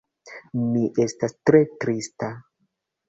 Mi estas tre trista.